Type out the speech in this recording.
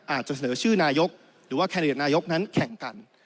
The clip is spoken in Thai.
อาจจะเสนอชื่อนายกหรือว่าแคนดิเดตนายกนั้นแข่งกัน